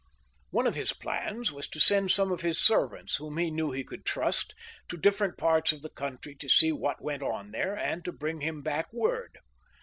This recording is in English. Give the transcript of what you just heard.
One of his plans was to send some of his servants, whom he knew he could trust, to different parts of the country to see what went on there, and to bring him back word.